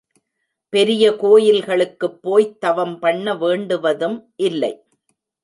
பெரிய கோயில்களுக்குப் போய்த் தவம் பண்ண வேண்டுவதும் இல்லை.